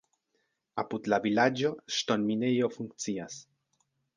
Apud la vilaĝo ŝtonminejo funkcias.